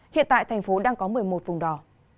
hiện tại thành phố đang có một mươi một vùng đỏ